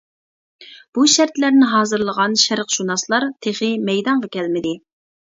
بۇ شەرتلەرنى ھازىرلىغان شەرقشۇناسلار تېخى مەيدانغا كەلمىدى.